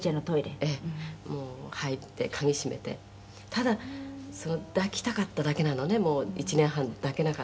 「ただ抱きたかっただけなのねもう１年半抱けなかった」